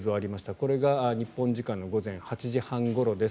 これが日本時間午前８時半ごろです。